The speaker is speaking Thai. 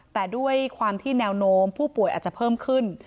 แต่ด้วยความที่แนวโน้มผู้ป่วยอาจจะเพิ่มขึ้น